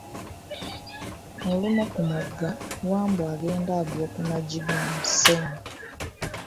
Olumu ku mugga, Wambwa agenda agwa ku maggi mu mussenyu.